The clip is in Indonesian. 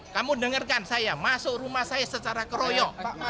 kamu dengarkan saya masuk rumah saya secara keroyok